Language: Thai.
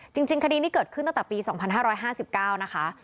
จริงคดีนี้เกิดขึ้นตั้งแต่ปี๒๕๕๙นะคะ